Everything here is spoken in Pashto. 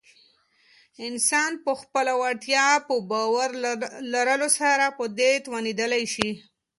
انسان په خپله وړتیا په باور لرلو سره په دې توانیدلی شی